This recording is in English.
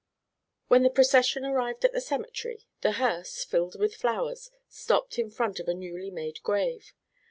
When the procession arrived at the cemetery, the hearse, filled with flowers, stopped in front of a newly made grave.